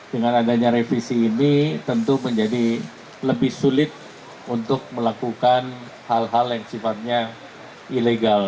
dengan adanya revisi ini tentu menjadi lebih sulit untuk melakukan hal hal yang sifatnya ilegal